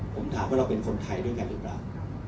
ผมถามว่าเราเป็นคนไทยด้วยกันหรือเปล่า